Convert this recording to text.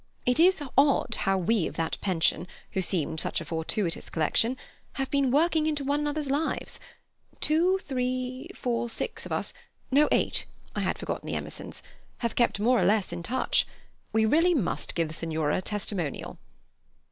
It is odd how we of that pension, who seemed such a fortuitous collection, have been working into one another's lives. Two, three, four, six of us—no, eight; I had forgotten the Emersons—have kept more or less in touch. We must really give the Signora a testimonial."